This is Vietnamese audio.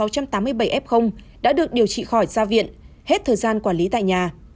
có hai trăm tám mươi ba sáu trăm tám mươi bảy f đã được điều trị khỏi gia viện hết thời gian quản lý tại nhà